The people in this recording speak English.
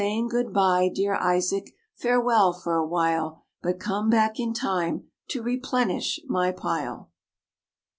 Saying, good bye, dear Isaac, Farewell for a while, But come back in time To replenish my pile.